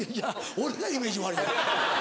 俺やイメージ悪いのは。